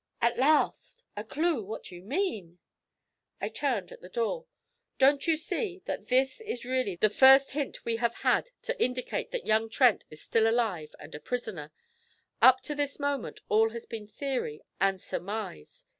'At last! A clue! What do you mean?' I turned at the door. 'Don't you see that this is really the first hint we have had to indicate that young Trent is still alive and a prisoner. Up to this moment all has been theory and surmise.